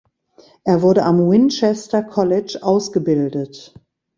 Er wurde am Winchester College ausgebildet.